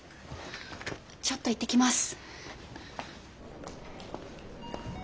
ちょっと行ってきます。